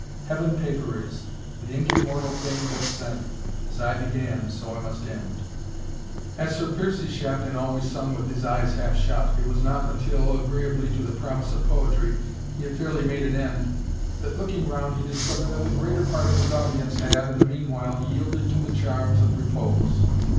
Heaven paper is; The ink immortal fame doth send, As I began so I must end." As Sir Piercie Shafton always sung with his eyes half shut, it was not until, agreeably to the promise of poetry, he had fairly made an end, that looking round, he discovered that the greater part of his audience had, in the meanwhile, yielded to the charms of repose.